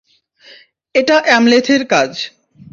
এটা অ্যামলেথের কাজ।